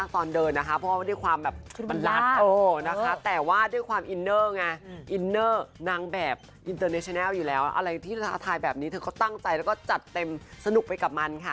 เธอก็ตั้งใจแล้วก็จัดเต็มสนุกไปกับมันค่ะ